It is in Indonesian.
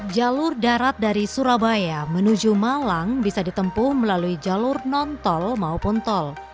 jalur darat dari surabaya menuju malang bisa ditempuh melalui jalur non tol maupun tol